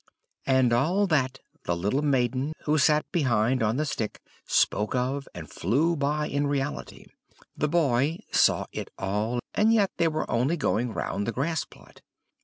And all that the little maiden, who sat behind on the stick, spoke of, flew by in reality. The boy saw it all, and yet they were only going round the grass plot.